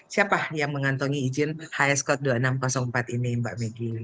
siapa yang mengantongi izin hs code dua ribu enam ratus empat ini mbak megi